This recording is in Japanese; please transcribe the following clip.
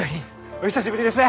お久しぶりです！